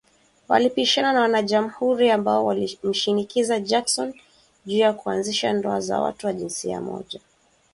Walipishana na wanajamhuri ambao walimshinikiza Jackson juu ya kuanzisha ndoa za watu wa jinsia moja